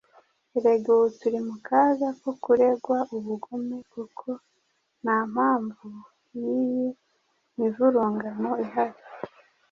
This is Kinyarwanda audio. Erega ubu turi mu kaga ko kuregwa ubugome, kuko nta mpamvu y’iyi mivurungano ihari,